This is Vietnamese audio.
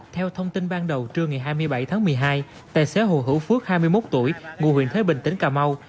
theo thông tin ban đầu trưa ngày hai mươi bảy tháng một mươi hai tài xế hồ hữu phước hai mươi một tuổi ngụ huyện thế bình tỉnh cà mau